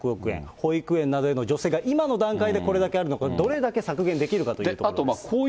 保育園などへの助成が、今の段階でこれだけあるのをどれだけ削減できるかと。